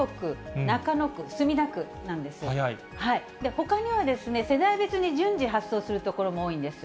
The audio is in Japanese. ほかには、世代別に順次発送する所も多いんです。